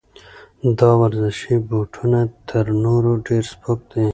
دا ورزشي بوټونه تر نورو ډېر سپک دي.